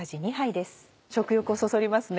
食欲をそそりますね。